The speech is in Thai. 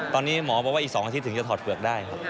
ตอนนี้หมอบอกว่าอีก๒อาทิตย์ถึงจะถอดเปลือกได้ครับ